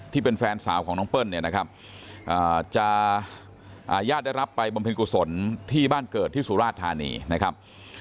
ที่เป็นแฟนสาวของน้องเปิ้ลเนี่ยนะครับจะญาติได้รับไปบำเพ็ญกุศลที่บ้านเกิดที่สุราชธานีนะครับ